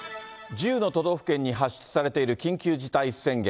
１０の都道府県に発出されている緊急事態宣言。